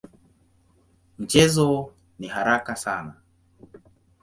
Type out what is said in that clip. Mchezo ni haraka sana.